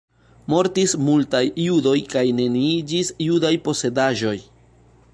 Mortis multaj judoj kaj neniiĝis judaj posedaĵoj.